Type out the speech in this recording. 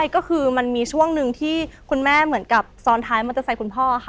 ก็คือมันมีช่วงหนึ่งที่คุณแม่เหมือนกับซ้อนท้ายมอเตอร์ไซค์คุณพ่อค่ะ